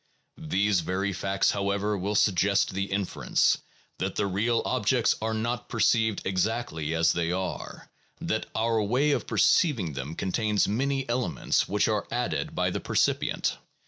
These very facts, however, will suggest the inference that the real objects are not perceived exactly as they are, that our way of perceiving them contains many elements which are added by the percipient.